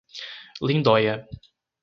Lindóia